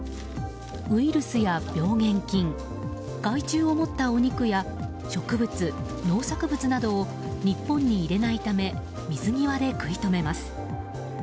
ウイルスや病原菌害虫を持ったお肉や、植物農作物などを日本に入れないため水際で食い止めます。